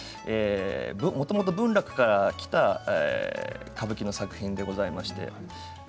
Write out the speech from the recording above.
もともと文楽からきた歌舞伎の作品でございます。